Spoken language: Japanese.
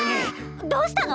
どうしたの？